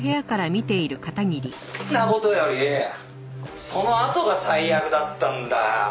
「んな事よりそのあとが最悪だったんだよ」